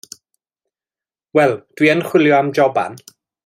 Wel, dwi yn chwilio am joban.